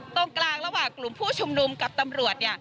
ตรงกลางระหว่างกลุ่มผู้ชุมนุมกับตำรวจ